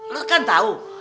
lu kan tau